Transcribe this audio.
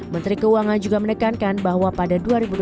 menteri keuangan juga menekankan bahwa pada dua ribu dua puluh